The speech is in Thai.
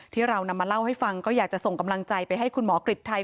ที่เรานำมาเล่าให้ฟังก็อยากจะส่งกำลังใจไปให้คุณหมอกฤทัย